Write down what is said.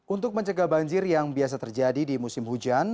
untuk mencegah banjir yang biasa terjadi di musim hujan